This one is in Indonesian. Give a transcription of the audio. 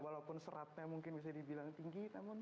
walaupun seratnya mungkin bisa dibilang tinggi